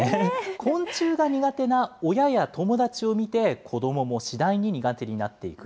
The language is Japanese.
昆虫が苦手な親や友達を見て子どもも次第に苦手になっていく。